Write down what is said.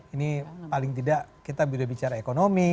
ini paling tidak kita bicara ekonomi